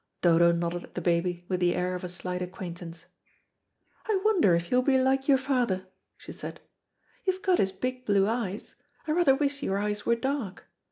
Dodo nodded at the baby with the air of a slight acquaintance. "I wonder if you'll be like your father," she said; "you've got his big blue eyes. I rather wish your eyes were dark.